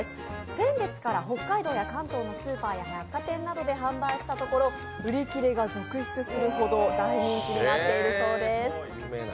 先月から北海道や関東のスーパーや百貨店などで販売したところ、売り切れが続出するほど大人気になっているそうです。